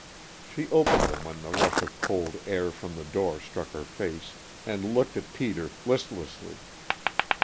She opened them when the rush of cold air from the door struck her face, and looked at Peter listlessly.